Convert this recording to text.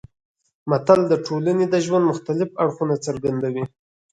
متل د ټولنې د ژوند مختلف اړخونه څرګندوي